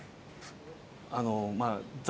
あのまあ